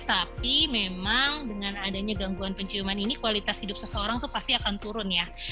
tapi memang dengan adanya gangguan penciuman ini kualitas hidup seseorang itu pasti akan turun ya